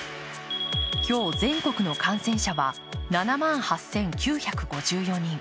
今日、全国の感染者は７万８９５４人。